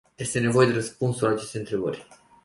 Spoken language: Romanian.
Este nevoie de răspunsuri la aceste întrebări.